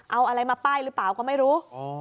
เอาอะไรมาป้ายหรือเปล่าก็ไม่รู้